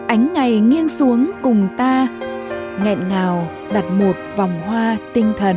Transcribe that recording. ánh ngày nghiêng xuống cùng ta nghẹn ngào đặt một vòng hoa tinh thần